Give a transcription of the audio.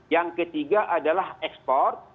yang ketiga adalah ekspor